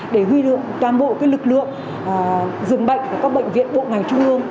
để huy được toàn bộ lực lượng dừng bệnh của các bệnh viện bộ ngành trung ương